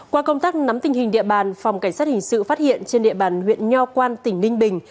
qua công tác nắm tình hình địa bàn phòng cảnh sát hình sự phát hiện trên địa bàn huyện nho quan tỉnh ninh bình